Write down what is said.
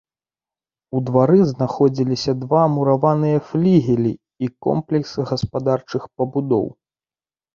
У двары знаходзіліся два мураваныя флігелі і комплекс гаспадарчых пабудоў.